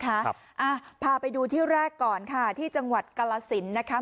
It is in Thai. ครับอ่าพาไปดูที่แรกก่อนค่ะที่จังหวัดกาลสินนะคะ